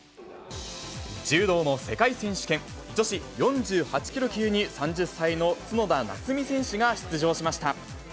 柔道の世界選手権、女子４８キロ級に３０歳の角田夏実選手が出場しました。